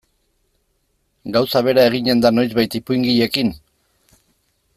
Gauza bera eginen da noizbait ipuingileekin?